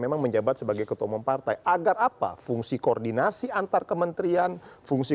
memang menjabat sebagai ketua umum partai agar apa fungsi koordinasi antar kementerian fungsi